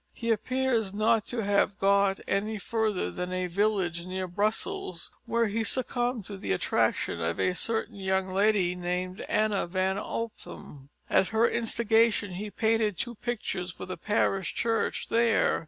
He appears not to have got any further than a village near Brussels, where he succumbed to the attractions of a certain young lady named Annah van Ophem. At her instigation he painted two pictures for the parish church there.